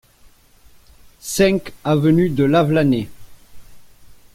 cinq avenue de Lavelanet